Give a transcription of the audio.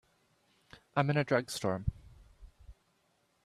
I'm in a drugstore.